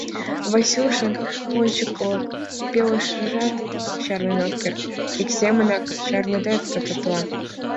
Васюшын ончыклык пелашыжат чарнен ок керт, ик семынак чарныде тототла.